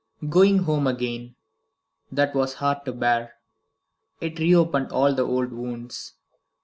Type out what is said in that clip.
Going home again. That was hard to bear. It reopened all the old wounds.